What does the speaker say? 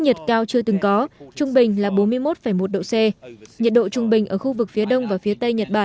nhiệt cao chưa từng có trung bình là bốn mươi một một độ c nhiệt độ trung bình ở khu vực phía đông và phía tây